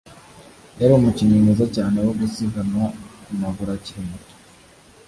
Yari umukinnyi mwiza cyane wo gusiganwa ku maguru akiri muto